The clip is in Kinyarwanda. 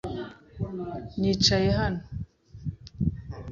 Nicaye hano .